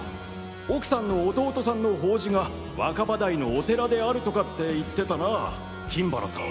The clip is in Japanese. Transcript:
奥さんの弟さんの法事が若葉台のお寺であるとかって言ってたなぁ金原さん。